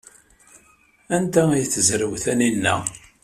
Anda ay tezrew Taninna?